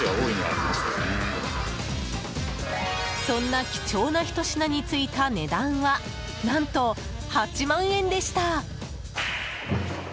そんな貴重なひと品についた値段は何と８万円でした！